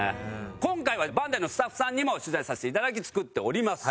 今回はバンダイのスタッフさんにも取材させていただき作っております。